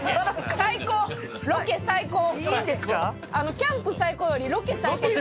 キャンプ最高よりロケ最高って。